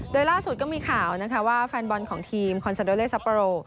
โดยล่าสุดก็มีข่าวนะคะว่าแฟนบอลของทีมคอนซาโดเลซัปโปร